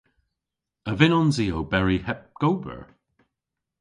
A vynnons i oberi heb gober?